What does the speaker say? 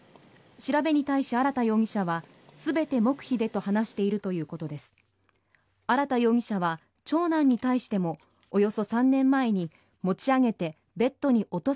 調べに対し、荒田容疑者は全て黙秘でと話しているということです。